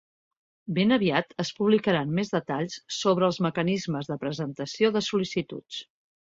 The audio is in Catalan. Ben aviat es publicaran més detalls sobre els mecanismes de presentació de sol·licituds.